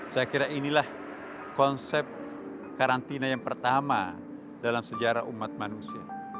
saya kira inilah konsep karantina yang pertama dalam sejarah umat manusia